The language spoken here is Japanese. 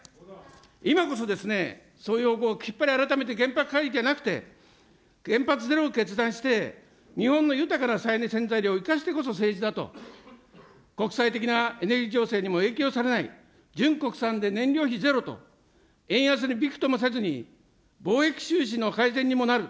今こそですね、そういう方向をきっぱり改めて、原発回帰じゃなくて、原発ゼロを決断して日本の豊かな再エネせんざいりょうを生かしてこそ政治だと、国際的なエネルギー競争にも影響されない純国産で燃料費ゼロと、円安にびくともせずに貿易収支の改善にもなる。